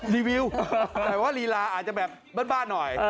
รีวิวรีลาอาจจะแบบบ้าหน่อย